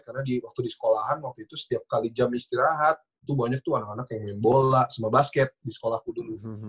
karena waktu di sekolahan waktu itu setiap kali jam istirahat tuh banyak tuh anak anak yang main bola sama basket di sekolahku dulu